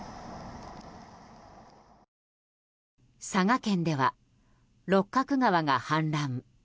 佐賀県では六角川が氾濫。